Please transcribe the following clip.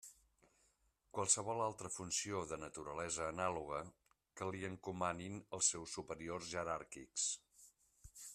Qualsevol altra funció de naturalesa anàloga que li encomanin els seus superiors jeràrquics.